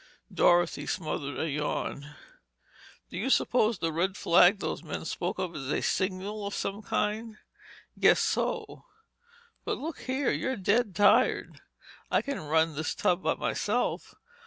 Dorothy smothered a yawn. "Do you suppose the red flag those men spoke of is a signal of some kind?" "Guess so. But look here, you're dead tired. I can run this tub by myself.